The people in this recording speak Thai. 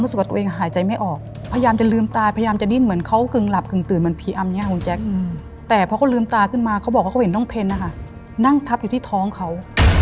น้องบ่วนน้องบ่วนน้องบ่วนน้องบ่วนน้องบ่วนน้องบ่วนน้องบ่วนน้องบ่วนน้องบ่วนน้องบ่วนน้องบ่วนน้องบ่วนน้องบ่วนน้องบ่วนน้องบ่วนน้องบ่วนน้องบ่วนน้องบ่วน